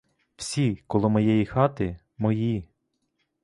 Всі коло моєї хати — мої.